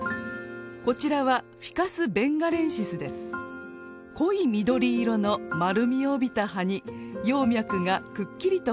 こちらは濃い緑色の丸みを帯びた葉に葉脈がくっきりと入ります。